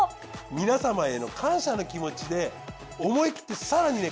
皆さまへの感謝の気持ちで思い切って更にね